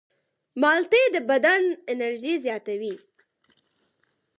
مالټې د بدن انرژي زیاتوي.